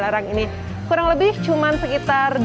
sekarang ini kurang lebih cuma sekitar dua km